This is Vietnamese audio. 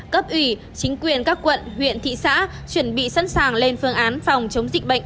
cấp ủy chính quyền các quận huyện thị xã chuẩn bị sẵn sàng lên phương án phòng chống dịch bệnh